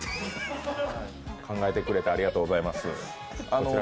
考えてくれてありがとうございます。